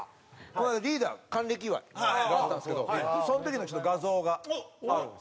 この間リーダーの還暦祝いがあったんですけどその時のちょっと画像があるんですけど。